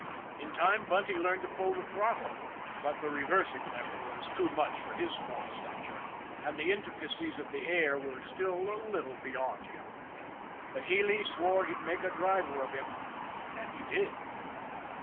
In time Bunty learned to pull the throttle, but the reversing lever was too much for his small stature, and the intricacies of the " air " were still a little beyond him. But Healy swore he'd make a driver of him and he did.